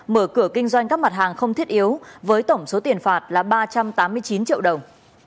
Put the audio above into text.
mở cửa kinh doanh các mặt hàng không thiết yếu với tổng số tiền phạt là ba trăm tám mươi chín triệu đồng